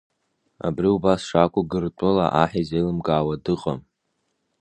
Абри убас шакәу Гыртәыла аҳ изеилымкаауа дыҟам!